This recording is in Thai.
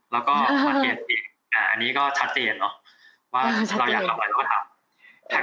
แล้วก็มาเปลี่ยนอีกอันนี้ก็ชัดเจนเนอะว่าเราอยากทำอะไรเราก็ทำ